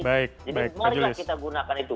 jadi mari kita gunakan itu